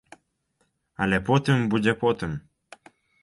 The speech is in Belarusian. Але потым будзе потым.